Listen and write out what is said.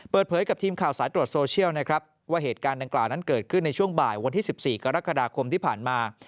เปิดเผยกับทีมข่าวสายตรวจโซเชียลนะครับว่าเหตุการณ์ดังกล่าวนั้นเกิดขึ้นในช่วงบ่ายวันที่๑๔กรกฎาคมที่ผ่านมา